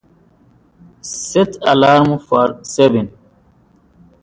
Currently Belconnen United has four agreements in place.